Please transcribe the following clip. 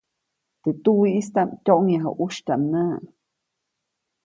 Teʼ tuwiʼistaʼm tyoʼŋyaju ʼusytyaʼm näʼ.